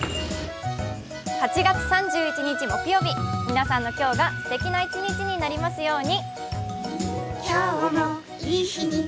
８月３１日木曜日、皆さんの今日がすてきな一日になりますように。